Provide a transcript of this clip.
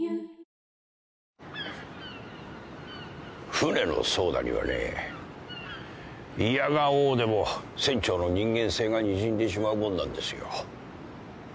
船の操舵にはねいやが応でも船長の人間性がにじんでしまうもんなんですよ。